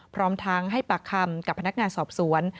พร้อมทั้งให้ปากคำกับพนักงานสอบสวน